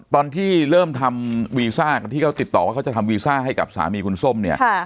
ตอนที่เริ่มทำวีซ่าที่เขาติดต่อว่าเขาจะทำวีซ่าให้กับสามีคุณส้มเนี่ย